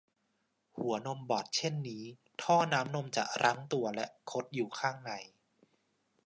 หัวนมบอดเช่นนี้ท่อน้ำนมจะรั้งตัวและคดอยู่ข้างใน